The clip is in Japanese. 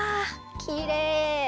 きれい！